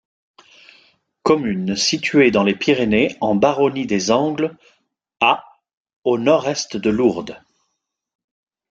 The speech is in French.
Commune située dans les Pyrénées en baronnie des Angles, à au nord-est de Lourdes.